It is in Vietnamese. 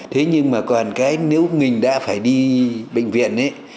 thế nhưng mà còn cái nếu mình đã phải đi bệnh viện ấy